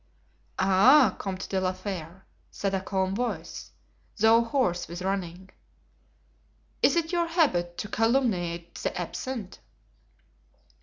"Ah Comte de la Fere," said a calm voice, though hoarse with running, "is it your habit to calumniate the absent?"